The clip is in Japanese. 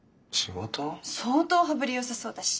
相当羽振りよさそうだし。